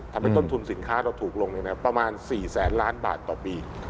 ต้นทุนสินค้าเราถูกลงประมาณ๔แสนล้านบาทต่อปี